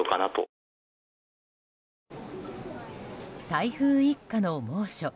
台風一過の猛暑。